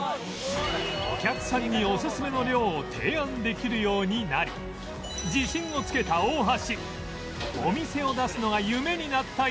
お客さんにおすすめの量を提案できるようになり自信をつけた大橋